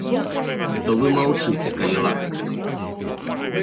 То вы маўчыце, калі ласка!